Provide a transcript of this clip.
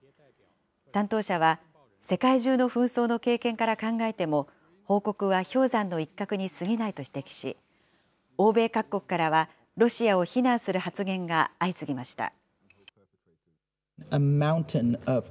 担当者は世界中の紛争の経験から考えても、報告は氷山の一角にすぎないと指摘し、欧米各国からはロシアを非難する発言が相次ぎました。